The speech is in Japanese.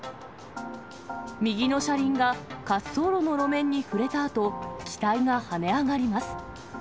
右の車輪が滑走路の路面に触れたあと、機体が跳ね上がります。